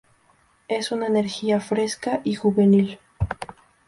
Es una energía fresca y juvenil".